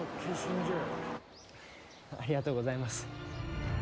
ありがとうございます。